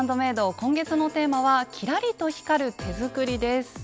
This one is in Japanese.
今月のテーマは「キラリと光る手作り」です。